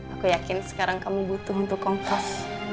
aku yakin sekarang kamu butuh untuk kompos